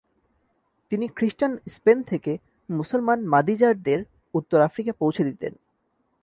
তিনি খ্রিস্টান স্পেন থেকে মুসলমান মাদিজারদের উত্তর আফ্রিকা পৌঁছে দিতেন।